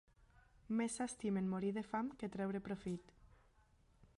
Més s'estimen morir de fam que treure profit.